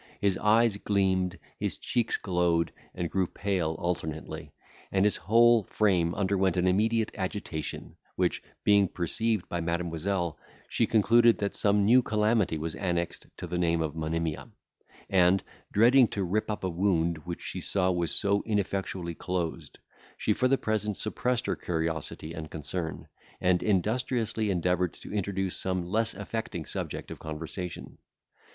His eyes gleamed, his cheeks glowed and grew pale alternately, and his whole frame underwent an immediate agitation; which being perceived by Mademoiselle, she concluded that some new calamity was annexed to the name of Monimia, and, dreading to rip up a wound which she saw was so ineffectually closed, she for the present suppressed her curiosity and concern, and industriously endeavoured to introduce some less affecting subject of conversation.